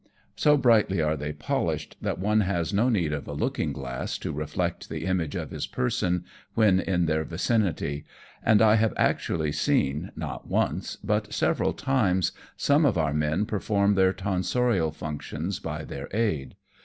So brightly are they polished that one has no need of a looking glass to reflect the image of his person when iu their vicinity, and I have actually seen, not once, but several times, some of our men perform their tonsorial functions by their aid.